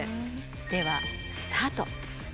ではスタート。